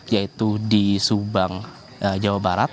yaitu di subang jawa barat